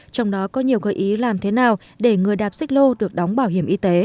trong đó có nhiều gợi ý làm thế nào để người đạp xích lô được đóng bảo hiểm y tế